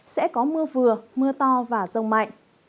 sẽ có mưa vừa mưa to và rông mạnh